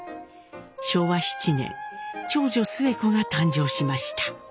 昭和７年長女スエ子が誕生しました。